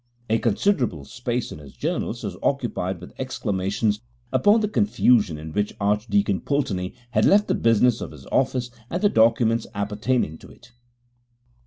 A considerable space in his journals is occupied with exclamations upon the confusion in which Archdeacon Pulteney had left the business of his office and the documents appertaining to it.